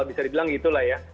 bisa dibilang gitu lah ya